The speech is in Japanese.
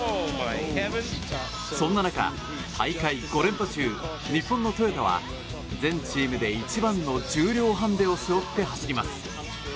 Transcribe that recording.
そんな中、大会５連覇中日本のトヨタは全チームの中で一番の重量ハンデを背負って走ります。